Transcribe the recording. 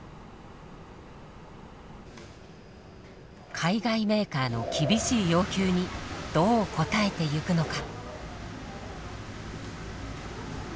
海外メーカーの厳しい要求にどう応えていくのか。